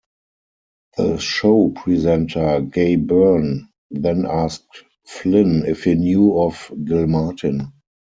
The show presenter Gay Byrne then asked Flynn if he knew of Gilmartin.